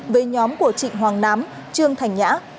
với nhóm của trịnh hoàng nám trương thành nhã